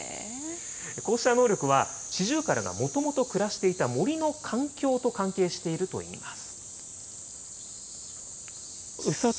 こうした能力は、シジュウカラがもともと暮らしていた森の環境と関係しているといいます。